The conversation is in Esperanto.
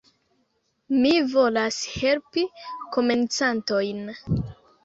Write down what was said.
Mi volas helpi komencantojn